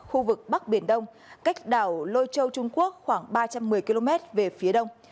khu vực bắc biển đông cách đảo lôi châu trung quốc khoảng ba trăm một mươi km về phía đông